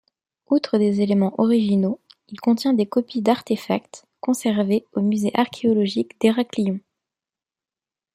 Outre des éléments originaux, il contient des copies d'artefacts conservés au Musée archéologique d'Héraklion.